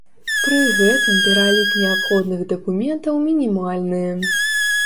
Пры гэтым пералік неабходных дакументаў мінімальны.